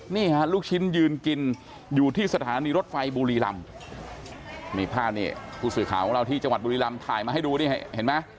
นี่ฮะลูกชิ้นยืนกินอยู่ที่สถานีรถไฟบุรีลำนี่ภาพนี้ผู้สื่อข่าวของเราที่จังหวัดบุรีรำถ่ายมาให้ดูนี่เห็นไหม